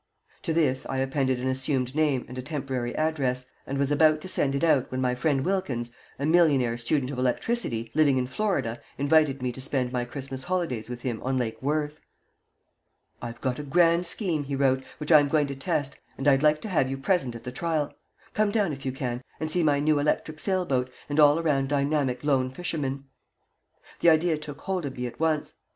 To this I appended an assumed name and a temporary address, and was about to send it out, when my friend Wilkins, a millionaire student of electricity, living in Florida, invited me to spend my Christmas holidays with him on Lake Worth. "I've got a grand scheme," he wrote, "which I am going to test, and I'd like to have you present at the trial. Come down, if you can, and see my new electric sailboat and all around dynamic Lone Fisherman." The idea took hold of me at once.